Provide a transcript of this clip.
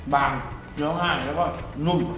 บางเหนียวง่ายแล้วก็นุ่ม